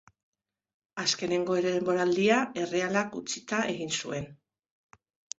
Azkeneko denboraldia Errealak utzita egin zuen.